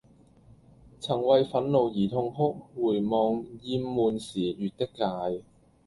曾為憤怒而痛哭回望厭悶時越的界